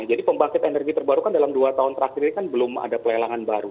jadi pembangkit energi terbarukan dalam dua tahun terakhir ini kan belum ada pelelangan baru